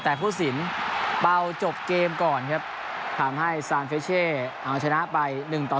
แต่ผู้สินเป่าจบเกมก่อนครับทำให้ซานเฟชเช่เอาชนะไป๑ต่อ๑